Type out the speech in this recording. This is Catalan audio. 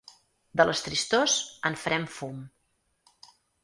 De les tristors, en farem fum.